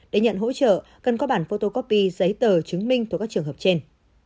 để nhận hỗ trợ cần có bản photocopy giấy tờ chứng minh thuộc các trường hợp trên